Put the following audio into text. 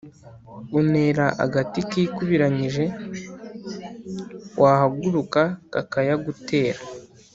Unera agati kikubiranyije wahaguruka kakayagutera.